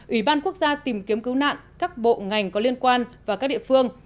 ủy ban quốc gia tìm kiếm cứu nạn các bộ ngành có liên quan và các địa phương